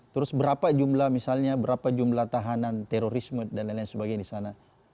terus berapa jumlah misalnya berapa jumlah tahanan terorisme dan lain lain sebagainya di sana